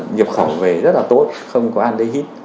nhập khẩu về rất là tốt không có ăn để hít